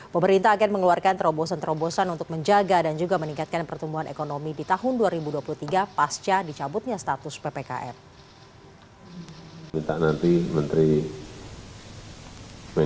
pemerintah akan mengeluarkan terobosan terobosan untuk menjaga dan juga meningkatkan pertumbuhan ekonomi di tahun dua ribu dua puluh tiga pasca dicabutnya status ppkm